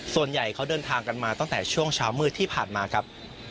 ส่วนใหญ่เขาเดินทางกันมาตั้งแต่ช่วงเช้ามืดที่ผ่านมาครับ